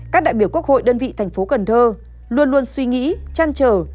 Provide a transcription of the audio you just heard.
các đại biểu quốc hội đơn vị thành phố cần thơ luôn luôn suy nghĩ trăn trở